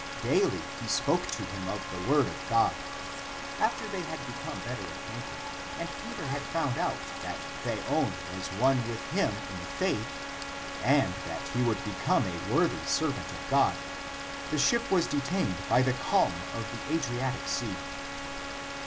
Daily he spoke to him of the word of God. After they had become better acquainted, and Peter had found out that Theon was one with him in the faith and (that he would become) a worthy servant (of God), the ship was detained by the calm of the Adriatic Sea.